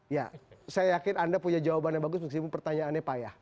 ya saya yakin anda punya jawaban yang bagus maksud saya pertanyaannya payah